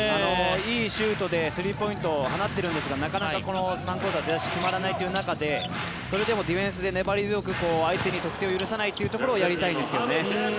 いいシュートでスリーポイントを放ってるんですがなかなか３クオーター決まらないという中でそれでもディフェンスで粘り強く相手に得点を許さないところをやりたいんですけどね。